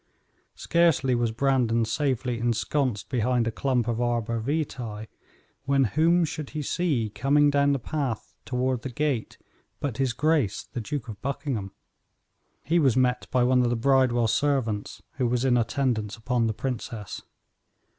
Scarcely was Brandon safely ensconced behind a clump of arbor vitæ when whom should he see coming down the path toward the gate but his grace, the Duke of Buckingham. He was met by one of the Bridewell servants who was in attendance upon the princess.